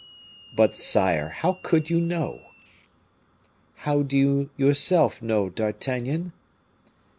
"But, sire, how could you know?" "How do you yourself know, D'Artagnan?"